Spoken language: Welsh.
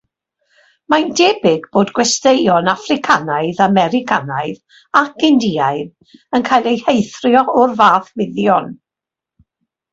Mae'n debyg bod gweision Affricanaidd-Americanaidd ac Indiaidd yn cael eu heithrio o'r fath fuddion.